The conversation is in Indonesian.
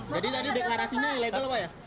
tadi deklarasinya ilegal pak ya